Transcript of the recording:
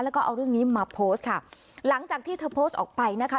แล้วก็เอาเรื่องนี้มาโพสต์ค่ะหลังจากที่เธอโพสต์ออกไปนะคะ